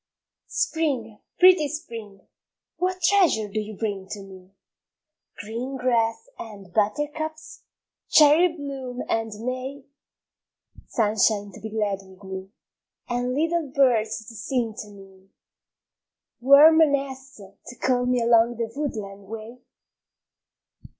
SPRING, pretty Spring, what treasure do you bring to me? Green grass and buttercups, cherry bloom and may? Sunshine to be glad with me, and little birds to sing to me? Warm nests to call me along the woodland way?